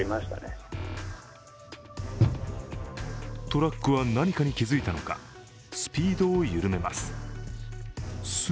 トラックは何かに気づいたのか、スピードを緩めます。